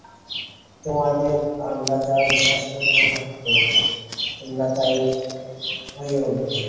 তোমাদের আমরা যা বিশ্বাস করতে থাকব তোমরা তাই হয়ে উঠবে।